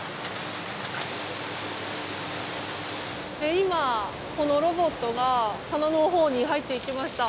今、ロボットが棚のほうに入っていきました。